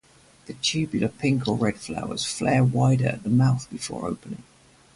The tubular pink or red flowers flare wider at the mouth before opening.